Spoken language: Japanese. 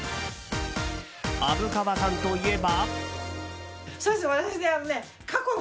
虻川さんといえば。